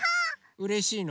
うれしいの？